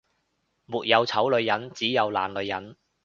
沒有醜女人，只有懶女人